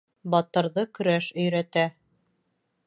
Батырҙы көрәш өйрәтә.